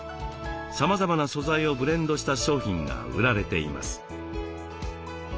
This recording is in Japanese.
さまざまな素材をブレンドした商品が売られています。